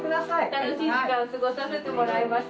楽しい時間を過ごさせてもらいました。